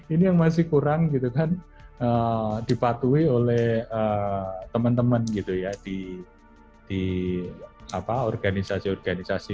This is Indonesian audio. ini yang masih kurang gitu kan dipatuhi oleh teman teman gitu ya di organisasi organisasi